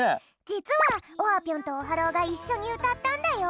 じつはオハぴょんとオハローがいっしょにうたったんだよ。